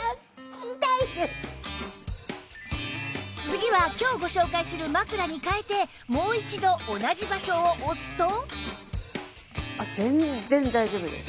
次は今日ご紹介する枕に替えてもう一度同じ場所を押すと